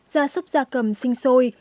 gia súc gia cầm sinh sôi